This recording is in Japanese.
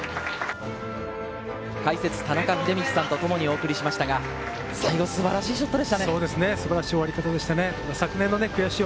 解説、田中秀道さんとともにお送りしましたが、最後、素晴らしいショットでしたね。